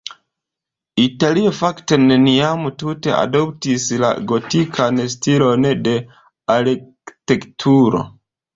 Italio fakte neniam tute adoptis la gotikan stilon de arkitekturo.